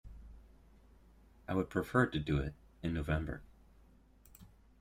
I would prefer to do it in November.